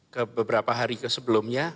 ke beberapa hari ke sebelumnya